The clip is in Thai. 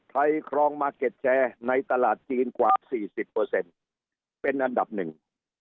ครองมาร์เก็ตแชร์ในตลาดจีนกว่าสี่สิบเปอร์เซ็นต์เป็นอันดับหนึ่ง